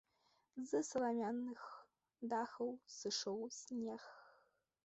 З саламяных дахаў сышоў снег.